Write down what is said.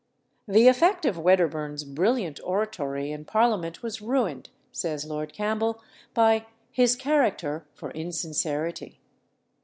The effect of Wedderburn's brilliant oratory in Parliament was ruined, says Lord Campbell, by "his character for insincerity."